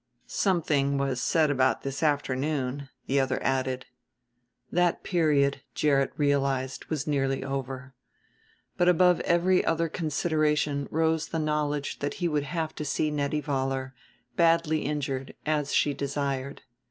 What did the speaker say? "Something was said about this afternoon," the other added. That period, Gerrit realized, was nearly over. But above every other consideration rose the knowledge that he would have to see Nettie Vollar, badly injured, as she desired.